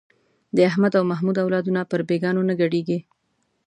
د احمد او محمود اولادونه پر بېګانو نه ګډېږي.